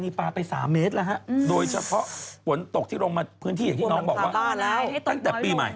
เขาบอกว่าเมื่อวานี้เป็นวันแรกที่ได้เห็นแสงแดด